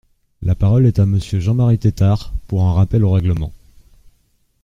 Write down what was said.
La parole est à Monsieur Jean-Marie Tetart, pour un rappel au règlement.